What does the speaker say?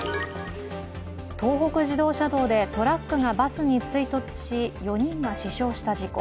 東北自動車道がトラックがバスに追突し、４人が死傷した事故。